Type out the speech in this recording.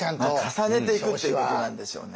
重ねていくっていうことなんでしょうね。